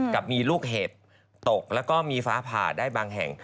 กับมีลูกเห็บตกแล้วก็มีฟ้าผ่าได้บางแห่ง